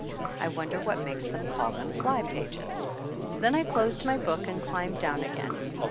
I wonder what makes them call them "fly pages?" Then I closed my book and climbed down again.